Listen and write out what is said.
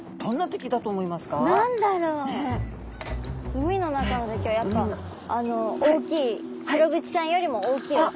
海の中の敵はやっぱシログチちゃんよりも大きいお魚。